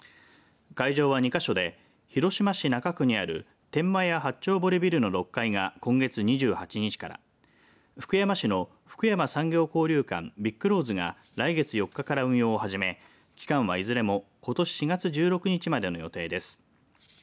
会場は２か所で広島市中区にある天満屋八丁堀ビルの６階が今月２８日から福山市のふくやま産業交流館ビッグ・ローズが来月４日から運用を始め期間は、いずれもことし４月１６日までの予定です。